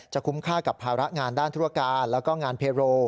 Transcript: คุ้มค่ากับภาระงานด้านธุรการแล้วก็งานเพโร